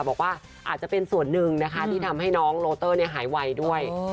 บอกว่าอาจจะเป็นส่วนหนึ่งนะคะที่ทำให้น้องโลเตอร์หายไวด้วย